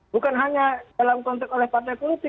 bukan hanya dalam konteks oleh partai politik